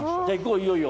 いよいよ。